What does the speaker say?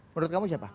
menurut kamu siapa